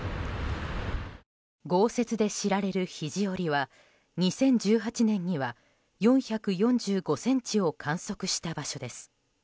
豪雪で知られる肘折は２０１８年には４４５ｃｍを観測した場所です。